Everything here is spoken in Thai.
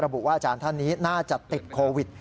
บุว่าอาจารย์ท่านนี้น่าจะติดโควิด